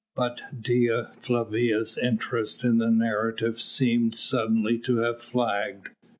But Dea Flavia's interest in the narrative seemed suddenly to have flagged.